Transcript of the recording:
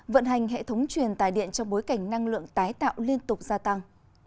vận hành hệ thống truyền tài điện trong bối cảnh năng lượng tái tạo liên tục gia tăng